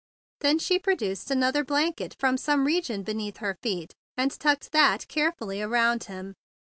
Then she pro¬ duced another lap robe from some re¬ gion beneath her feet, and tucked that carefully around him.